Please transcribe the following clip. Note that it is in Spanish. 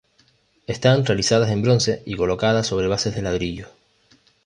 Están realizadas en bronce y colocadas sobre bases de ladrillo.